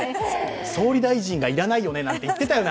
総理大臣いらないよねって話してたよね